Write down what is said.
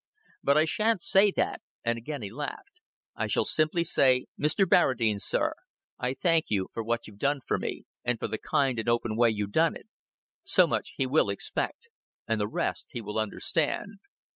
But I shan't say that;" and again he laughed. "I shall simply say, 'Mr. Barradine, sir, I thank you for what you've done for me and for the kind and open way you done it.' So much he will expect, and the rest he will understand."